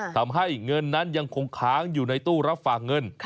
ทำให้เงินนั้นยังคงค้างอยู่ในตู้รับฝากเงิน